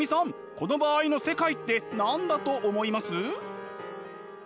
この場合の世界って何だと思います？